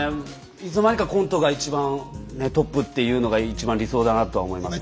いつの間にかコントが一番トップっていうのが一番理想だなとは思いますね。